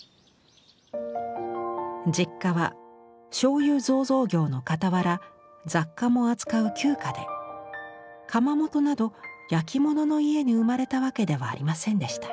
実家はしょうゆ醸造業のかたわら雑貨も扱う旧家で窯元などやきものの家に生まれたわけではありませんでした。